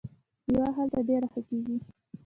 میوه هلته ډیره ښه کیږي.